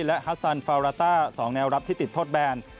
และฮัสซันฟาราต้า๒แนวรับที่ติดโทษแบน